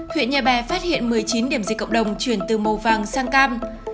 huyện nhà bè phát hiện một mươi chín điểm dịch cộng đồng chuyển từ màu vàng sang cam